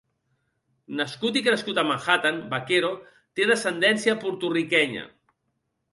Nascut i crescut a Manhattan, Baquero té descendència porto-riquenya.